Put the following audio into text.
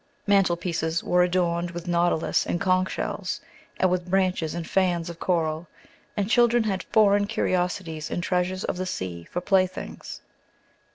Mantel pieces were adorned with nautilus and conch shells, and with branches and fans of coral; and children had foreign curiosities and treasures of the sea for playthings.